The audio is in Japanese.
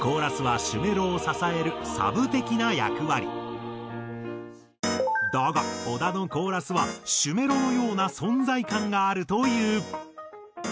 通常だが小田のコーラスは主メロのような存在感があるという。